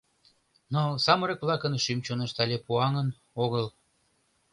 Но самырык-влакын шӱм-чонышт але пуаҥын огыл.